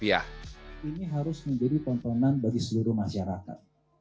ini harus menjadi penontonan bagi seluruh penonton